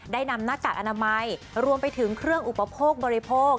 นำหน้ากากอนามัยรวมไปถึงเครื่องอุปโภคบริโภค